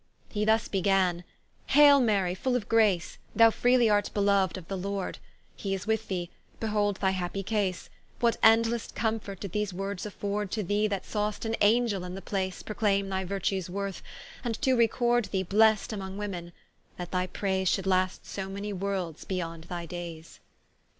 ¶ He thus beganne, Haile Mary full of grace, Thou freely art beloued of the Lord, He is with thee, behold thy happy case; What endlesse comfort did these words afford To thee that saw'st an Angell in the place Proclaime thy Virtues worth, and to record Thee blessed among women: that thy praise Should last so many worlds beyond thy daies.